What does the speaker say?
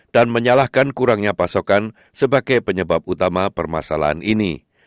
dan menyalahkan kurangnya pasokan sebagai penyebab utama permasalahan ini